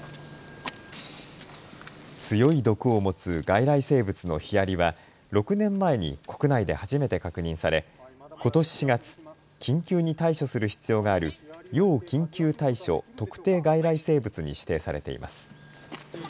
強い毒を持つ外来生物のヒアリは６年前に国内で初めて確認されことし４月、緊急に対処する必要がある要緊急対処特定外来生物に指定されています。